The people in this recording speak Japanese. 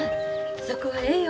そこはええよ。